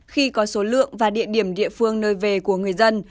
khi có số lượng và địa điểm địa phương nơi về của người dân